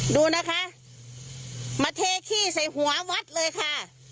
ดูนะคะมาเทขี้ใส่หัววัดเลยค่ะ